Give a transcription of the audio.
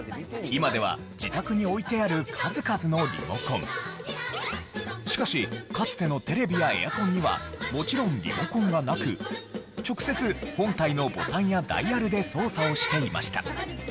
今では自宅に置いてあるしかしかつてのテレビやエアコンにはもちろんリモコンがなく直接本体のボタンやダイヤルで操作をしていました。